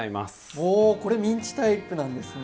おおこれミンチタイプなんですね。